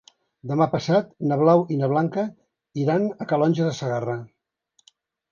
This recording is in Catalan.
Demà passat na Blau i na Blanca iran a Calonge de Segarra.